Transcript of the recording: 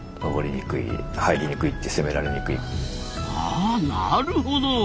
あなるほど。